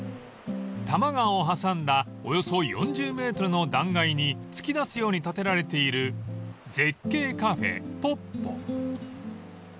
［多摩川を挟んだおよそ４０ｍの断崖に突き出すように建てられている絶景カフェぽっぽ］